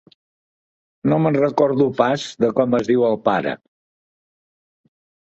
No me'n recordo pas, de com es diu el pare.